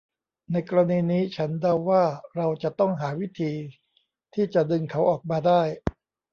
ในกรณีนี้ฉันเดาว่าเราจะต้องหาวิธีที่จะดึงเขาออกมาได้